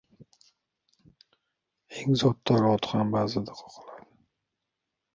• Eng zotdor ot ham ba’zida qoqiladi.